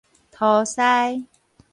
塗師